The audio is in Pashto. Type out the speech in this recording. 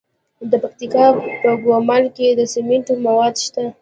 د پکتیکا په ګومل کې د سمنټو مواد شته.